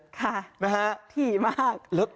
ค่ะฮี่มาก